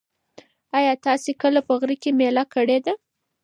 ایا تاسي کله په غره کې مېله کړې ده؟